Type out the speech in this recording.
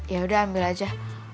yaudah ambil aja